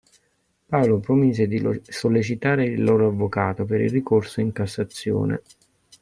Paolo promise di sollecitare il loro avvocato per il ricorso in cassazione.